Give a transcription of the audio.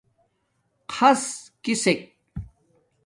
خس کسک